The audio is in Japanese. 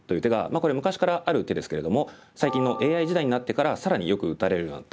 これ昔からある手ですけれども最近のＡＩ時代になってから更によく打たれるようになった手です。